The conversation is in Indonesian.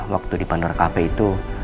waktu dipandor kp itu